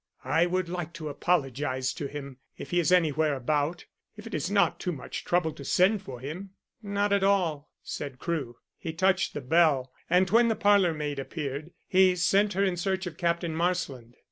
"I would like to apologize to him if he is anywhere about if it is not too much trouble to send for him." "Not at all," said Crewe. He touched the bell, and when the parlour maid appeared, he sent her in search of Captain Marsland.